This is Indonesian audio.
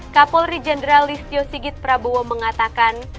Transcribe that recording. kapolri jenderal listio sigit prabowo mengatakan